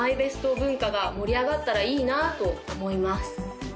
文化が盛り上がったらいいなと思います